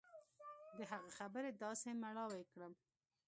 د هغه خبرې داسې مړاوى کړم.